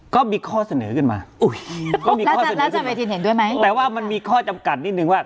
ก็มีข้อเสนอขึ้นมาแต่ว่ามันมีข้อจำกัดนิดนึงว่า